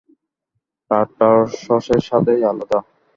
টারটার সসের স্বাদই আলাদা।